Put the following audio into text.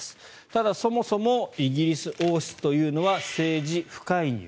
ただ、そもそもイギリス王室というのは政治不介入。